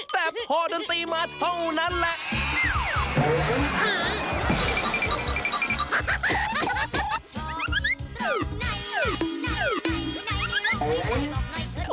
แต่พอดนตรีมาเท่านั้นแหละ